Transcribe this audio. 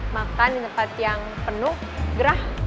makan di tempat yang penuh gerah